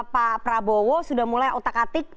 pak prabowo sudah mulai otak atik